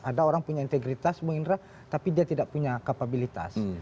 ada orang punya integritas bung indra tapi dia tidak punya kapabilitas